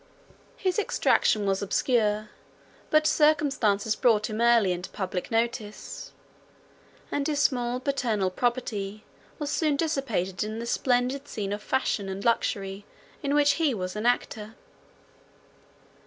His extraction was obscure; but circumstances brought him early into public notice, and his small paternal property was soon dissipated in the splendid scene of fashion and luxury in which he was an actor.